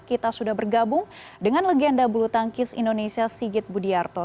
kita sudah bergabung dengan legenda bulu tangkis indonesia sigit budiarto